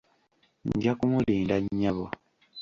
Nja kumulinda nnyabo.